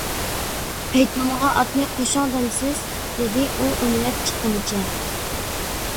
-پەيتۇنغا ئاتنى قوشۇڭ دەمسىز؟ -دېدى ئۇ ئۆمىلەپ چىققىنىچە.